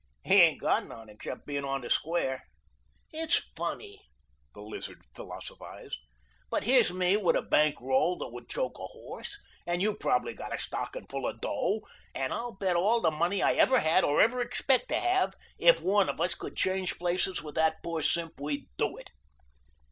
"He ain't got none except being on the square. It's funny," the Lizard philosophized, "but here's me with a bank roll that would choke a horse, and you probably with a stocking full of dough, and I'll bet all the money I ever had or ever expect to have if one of us could change places with that poor simp we'd do it."